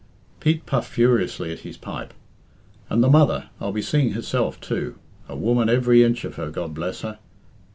Pete puffed furiously at his pipe. "And the mother, I'll be seeing herself, too. A woman every inch of her, God bless her.